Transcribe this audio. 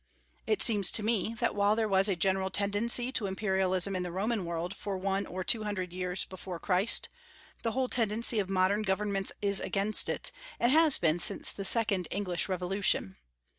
It seems to me that while there was a general tendency to Imperialism in the Roman world for one or two hundred years before Christ, the whole tendency of modern governments is against it, and has been since the second English Revolution.